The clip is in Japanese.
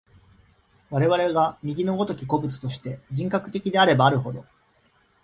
我々が右の如き個物として、人格的であればあるほど、